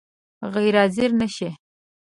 غیر حاضر نه شې؟